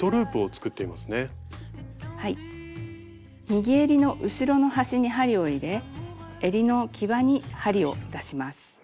右えりの後ろの端に針を入れえりの際に針を出します。